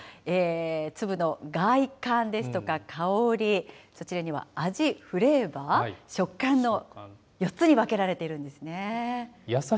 粒の外観ですとか香り、そちらには味、フレーバー、食感の４つに分けられているんですね。